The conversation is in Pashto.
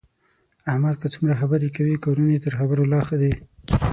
احمد که څومره خبرې کوي، کارونه یې تر خبرو لا ښه دي.